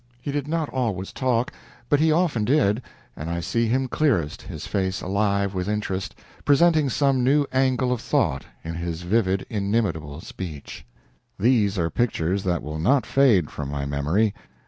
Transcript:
He did not always talk, but he often did, and I see him clearest, his face alive with interest, presenting some new angle of thought in his vivid, inimitable speech. These are pictures that will not fade from my memory.